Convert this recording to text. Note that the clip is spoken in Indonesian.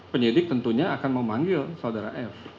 penyidik tentunya akan memanggil saudara f